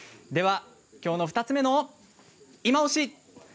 今日の２つ目の、いまオシ！